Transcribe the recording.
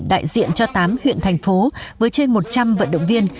đại diện cho tám huyện thành phố với trên một trăm linh vận động viên